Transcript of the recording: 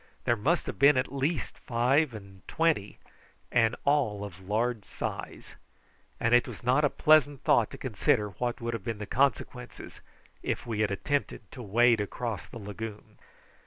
There must have been at least five and twenty, and all of large size; and it was not a pleasant thought to consider what would have been the consequences if we had attempted to wade across the lagoon.